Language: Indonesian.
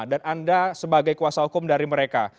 dan anda sebagai kuasa hukum dari mereka